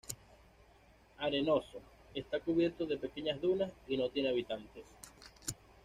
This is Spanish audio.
Arenoso, está cubierta de pequeñas dunas, y no tiene habitantes.